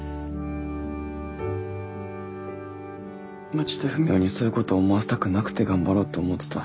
まちとふみおにそういうこと思わせたくなくて頑張ろうって思ってた。